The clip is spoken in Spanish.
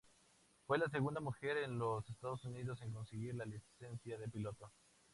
Fue la segunda mujer en los Estados Unidos en conseguir la licencia de piloto.